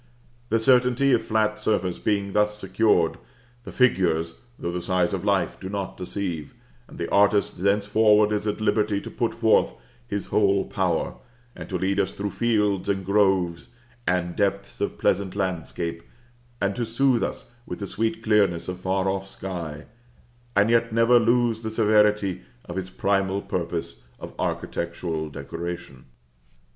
The certainty of flat surface being thus secured, the figures, though the size of life, do not deceive, and the artist thenceforward is at liberty to put forth his whole power, and to lead us through fields and groves, and depths of pleasant landscape, and to soothe us with the sweet clearness of far off sky, and yet never lose the severity of his primal purpose of architectural decoration.